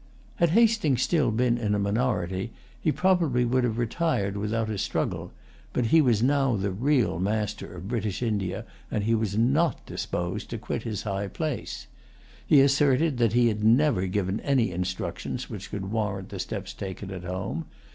Had Hastings still been in a minority, he would probably have retired without a struggle; but he was now the real master of British India, and he was not disposed to quit his high place. He asserted that he had never given any instructions which could warrant the steps taken at home.